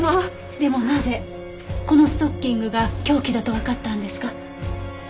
でもなぜこのストッキングが凶器だとわかったんですか？